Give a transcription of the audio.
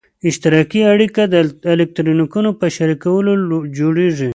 اشتراکي اړیکه د الکترونونو په شریکولو جوړیږي.